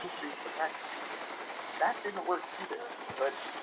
তিনি তার রচিত কবিতাগুলোকে গান আকারে রূপ দিতে শুরু করেন।